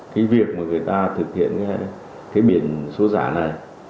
cái việc mà người ta thực hiện cái biển số giả này